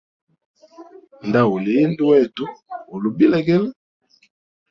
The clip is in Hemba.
Nda uli indu wetu uli bilegele.